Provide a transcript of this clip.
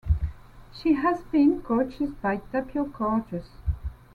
She has been coached by Tapio Korjus.